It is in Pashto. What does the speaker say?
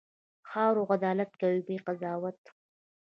خاوره عدالت کوي، بې قضاوت.